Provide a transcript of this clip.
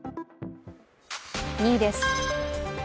２位です。